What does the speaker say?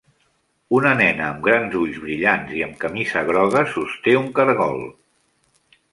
Una nena amb grans ulls brillants i amb camisa groga sosté un caragol.